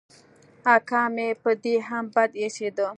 اکا مې په دې هم بد اېسېد.